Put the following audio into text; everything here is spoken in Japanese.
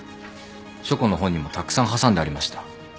書庫の本にもたくさん挟んでありました。